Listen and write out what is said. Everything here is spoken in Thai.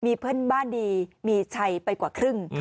มีเพื่อนบ้านดีมีชัยไปกว่าครึ่ง